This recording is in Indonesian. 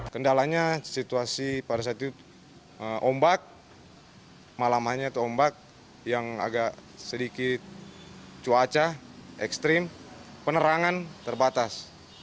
kendalanya situasi pada saat itu ombak malamannya itu ombak yang agak sedikit cuaca ekstrim penerangan terbatas